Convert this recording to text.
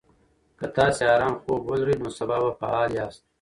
که تاسي ارام خوب ولرئ، نو سبا به فعال یاست.